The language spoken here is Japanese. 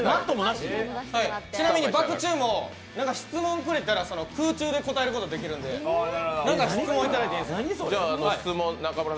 ちなみにバク宙も何か質問くれたら空中で答えることができるんで、何か質問いただいていいですか？